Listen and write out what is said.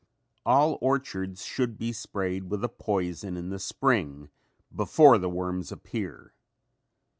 All orchards should be sprayed with a poison in the spring before the worms appear.